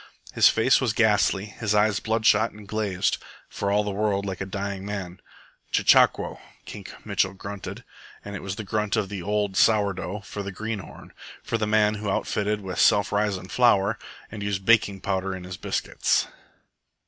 His face was ghastly, his eyes bloodshot and glazed, for all the world like a dying man. "CHECHAQUO!" Kink Mitchell grunted, and it was the grunt of the old "sour dough" for the green horn, for the man who outfitted with "self risin'" flour and used baking powder in his biscuits.